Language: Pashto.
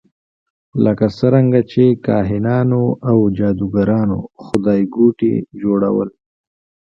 لکه څرنګه چې کاهنانو او جادوګرانو خدایګوټي جوړول.